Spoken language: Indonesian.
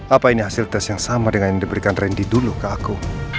apa ini hasil tes yang sama dengan yang diberikan randy dulu ke aku